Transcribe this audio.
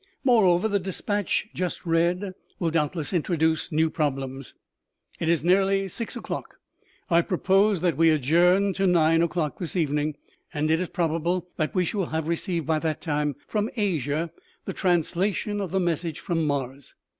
Moreover, the despatch just read will doubtless introduce new problems. It is nearly six o'clock. I propose that we adjourn to nine o'clock this evening. It is probable that we shall have received, by that time, from Asia the translation of the message from Mars.